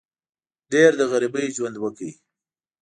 ډېر د غریبۍ ژوند وکړ.